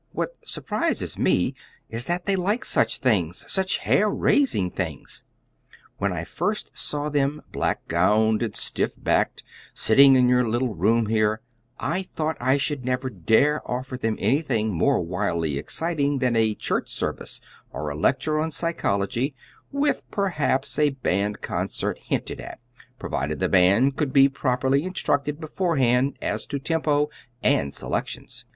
What surprises me is that they like such things such hair raising things. When I first saw them, black gowned and stiff backed, sitting in your little room here, I thought I should never dare offer them anything more wildly exciting than a church service or a lecture on psychology, with perhaps a band concert hinted at, provided the band could be properly instructed beforehand as to tempo and selections.